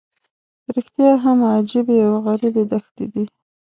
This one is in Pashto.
رښتیا هم عجیبې او غریبې دښتې دي.